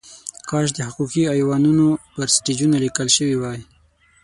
کاش د حقوقي ایوانونو پر سټیجونو لیکل شوې وای.